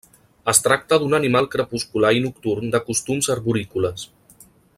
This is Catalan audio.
Es tracta d'un animal crepuscular i nocturn de costums arborícoles.